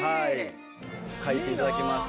書いていただきまして。